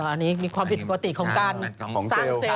อันนี้มีความผิดปกติของการสร้างเซลล